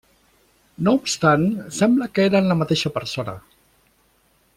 No obstant sembla que eren la mateixa persona.